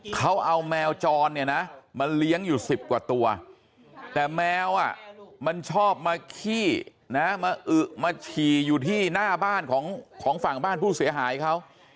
เขาเอาแมวจรเนี่ยนะมาเลี้ยงอยู่๑๐กว่าตัวแต่แมวมันชอบมาขี้นะมาอึมาฉี่อยู่ที่หน้าบ้านของฝั่งบ้านผู้เสียหายเขา